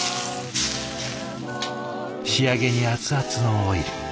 仕上げに熱々のオイル。